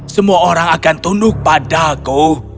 semua orang akan tunduk padaku